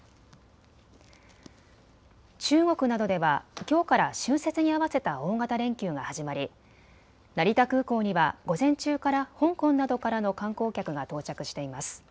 中国などではきょうから春節に合わせた大型連休が始まり、成田空港には午前中から香港などからの観光客が到着しています。